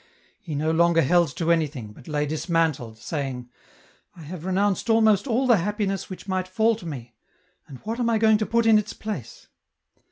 he no longer held to anything, but lay dismantled, saying, " I have renounced almost all the happiness which might fall to me, and what am I going to put in its place